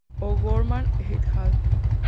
O’Gorman "et al.